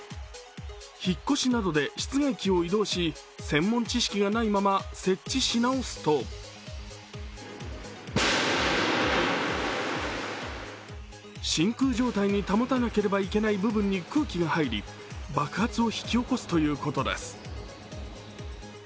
引っ越しなどで室外機を移動し、専門知識がないまま設置し直すと真空状態に保たなければいけない部分に空気が入り、爆発を引き起こすということです。